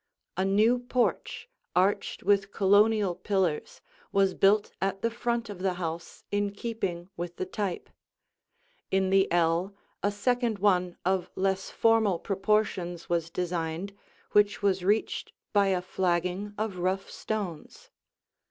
A new porch, arched with Colonial pillars, was built at the front of the house in keeping with the type. In the ell a second one of less formal proportions was designed which was reached by a flagging of rough stones.